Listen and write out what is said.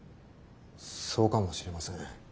そうかもしれません。